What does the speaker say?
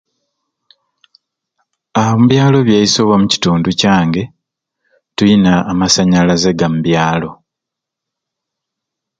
Haa omu byalo byeswe oba omu kitundu kyange tuyina amasanyalaze gamubyalo